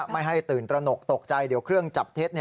ไม่ให้ตื่นตระหนกตกใจเดี๋ยวเครื่องจับเท็จ